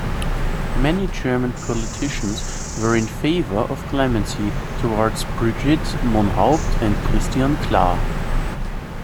Many German politicians were in favour of clemency towards Brigitte Mohnhaupt and Christian Klar.